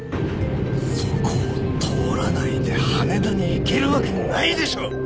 そこを通らないで羽田に行けるわけないでしょ！